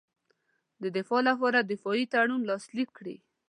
د دفاع لپاره دفاعي تړون لاسلیک کړي.